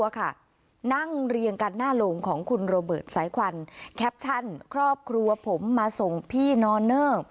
การหน้าโหลงของคุณโรเบิร์ตสายควันครอบครัวผมมาส่งพี่นอนเนอร์